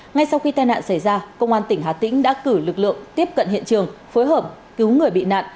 ngay sau khi tai nạn xảy ra công an tỉnh hà tĩnh đã cử lực lượng tiếp cận hiện trường phối hợp cứu người bị nạn